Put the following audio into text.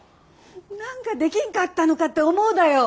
何かできんかったのかって思うだよ。